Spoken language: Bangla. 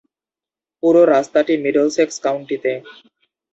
পুরো রাস্তাটি মিডলসেক্স কাউন্টিতে।